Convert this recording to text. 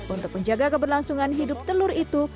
untuk menjaga keberlangsungan hidup telur itu